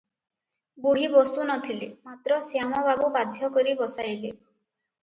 ବୁଢ଼ୀ ବସୁ ନଥିଲେ, ମାତ୍ର ଶ୍ୟାମବାବୁ ବାଧ୍ୟ କରି ବସାଇଲେ ।